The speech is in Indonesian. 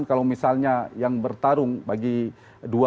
kalau misalnya yang bertarung bagi dua